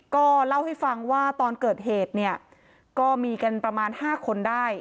ก็เล่าให้ฟังว่าตอนเกิดเหตุเนี่ยก็มีกันประมาณ๕คนได้